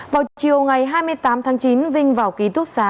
vào chiều ngày hai mươi tám tháng chín vinh vào ký túc xá